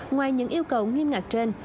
ngoài những yêu cầu nghiêm ngặt trên